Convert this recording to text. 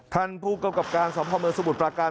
ท่านผู้กำกับการสมภาพเมืองสมุทรปราการ